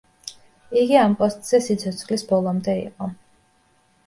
იგი ამ პოსტზე სიცოცხლის ბოლომდე იყო.